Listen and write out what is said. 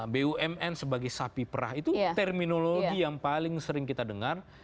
bumn sebagai sapi perah itu terminologi yang paling sering kita dengar